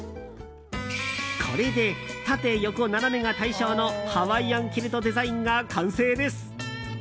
これで縦横斜めが対象のハワイアンキルトデザインが完成です。